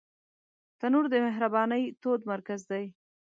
تنور د مهربانۍ تود مرکز دی